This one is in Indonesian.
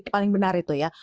paling benar itu ya